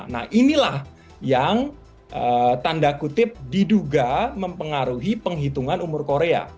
nah inilah yang tanda kutip diduga mempengaruhi penghitungan umur korea